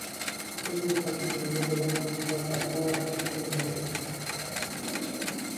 د دې ګروپ عنصرونه د هیلیم څخه پرته اته الکترونونه لري.